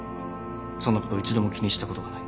そんなこと一度も気にしたことがない。